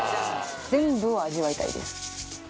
全部を味わいたいです。